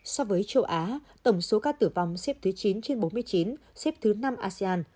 so với châu á tổng số ca tử vong xếp thứ chín trên bốn mươi chín xếp thứ năm asean